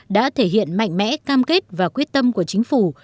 đã thể hiện mạnh mẽ cam kết và quyết tâm của chính phủ